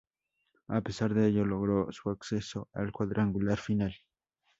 A pesar de ello logró su acceso al cuadrangular final.